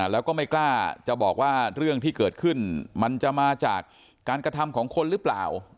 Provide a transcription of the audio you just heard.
แล้วก็ไม่กล้าจะบอกว่าเรื่องที่เกิดขึ้นมันจะมาจากการกระทำของคนหรือเปล่า